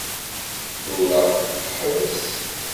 Tura, ḥbes!